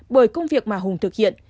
bởi công việc mà hùng thực hiện